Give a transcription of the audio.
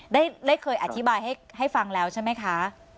ได้เคยอธิบายให้ฟังแล้วใช่ไหมคะ